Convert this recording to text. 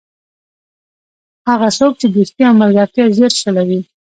هغه څوک چې دوستي او ملګرتیا ژر شلوي.